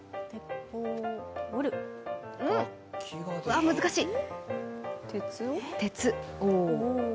ああ難しい。